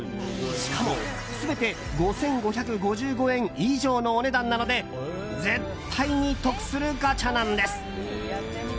しかも、全て５５５５円以上のお値段なので絶対に得するガチャなんです。